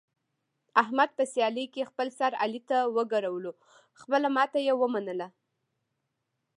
احمد په سیالۍ کې خپل سر علي ته وګرولو، خپله ماتې یې و منله.